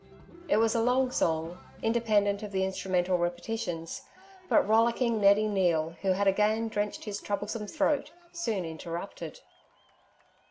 It was a long song independent of the instrumental repetitions, but rollicking Neddy Neale, who had again drenched his troublesome throat, soon interrupted.